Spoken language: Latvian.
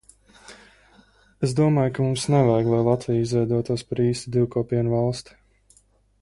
Es domāju, ka mums nevajag, lai Latvija izveidotos par īstu divkopienu valsti.